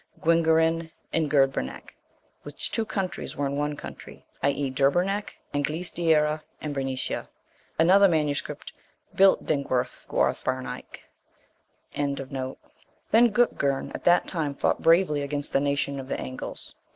Dinguerin and Gurdbernech, which two countries were in one country, i.e. Deurabernech; Anglice Diera and Bernicia. Another MS. Built Dinguayrh Guarth Berneich. 62. Then Dutgirn at that time fought bravely against the nation of the Angles.